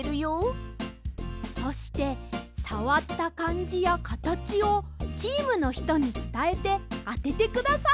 そしてさわったかんじやかたちをチームのひとにつたえてあててください！